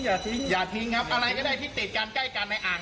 อย่าทิ้งครับอะไรก็ได้ที่ติดกันใกล้กันในอ่าง